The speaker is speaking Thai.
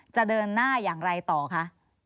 จะเดินหน้าอย่างไรต่อคะ